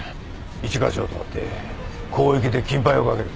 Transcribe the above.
一課長と会って広域で緊配をかける。